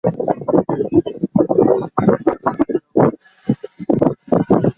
এই সেতুটি ঢাকা-সিলেট মহাসড়কের অংশ।